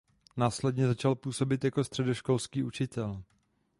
Následně začal působit jako středoškolský učitel.